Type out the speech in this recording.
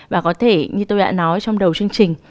và có thể như tôi đã nói trong đầu chương trình